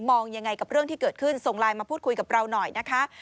ยังไงกับเรื่องที่เกิดขึ้นส่งไลน์มาพูดคุยกับเราหน่อยนะคะ